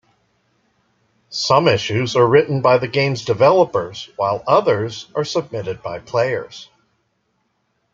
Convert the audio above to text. Some issues are written by the game's developers, while others are submitted by players.